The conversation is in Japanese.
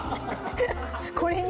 これに？